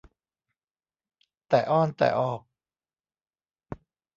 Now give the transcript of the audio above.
แต่อ้อนแต่ออก